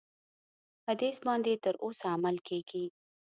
حدیث باندي تر اوسه عمل کیږي.